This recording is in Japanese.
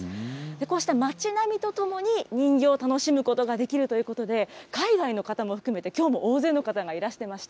こうした町並みとともに、人形を楽しむことができるということで、海外の方も含めて、きょうも大勢の方がいらしてました。